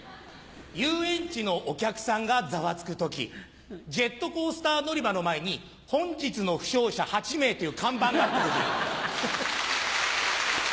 遊園地のお客さんがざわつく時ジェットコースター乗り場の前に本日の負傷者８名という看板があった時。